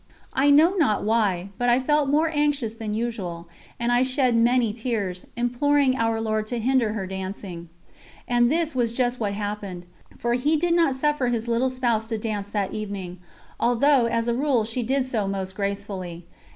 I know not why, but I felt more anxious than usual, and I shed many tears, imploring Our Lord to hinder her dancing. And this was just what happened; for He did not suffer His little Spouse to dance that evening, although as a rule she did so most gracefully.